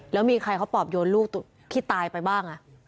แล้วมีใครเขาปอบโยนลูกที่ตายไปบ้าง